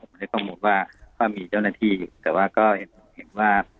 ผมไม่ได้ข้อมูลว่าว่ามีเจ้าหน้าที่แต่ว่าก็เห็นว่า